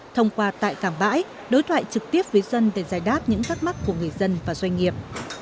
thông qua tại cảng bãi đối thoại trực tiếp với dân để giải đáp những thắc mắc của người dân và doanh nghiệp